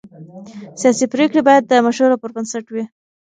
سیاسي پرېکړې باید د مشورو پر بنسټ وي